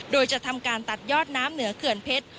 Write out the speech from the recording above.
โดยจะทำการตัดยอดน้ำเหนือเขื่อนเพชร